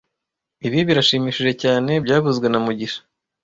Ibi birashimishije cyane byavuzwe na mugisha